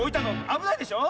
あぶないでしょ！